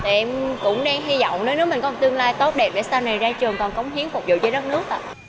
thì em cũng đang hy vọng nếu nước mình có tương lai tốt đẹp để sau này ra trường còn cống hiến phục vụ cho đất nước